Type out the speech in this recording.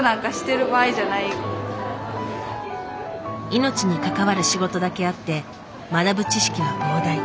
命に関わる仕事だけあって学ぶ知識は膨大。